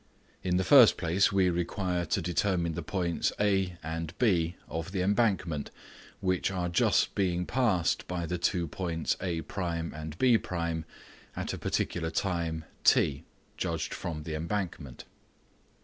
In the first place we require to determine the points A and B of the embankment which are just being passed by the two points A^1 and B^1 at a particular time t judged from the embankment.